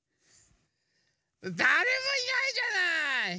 だれもいないじゃない！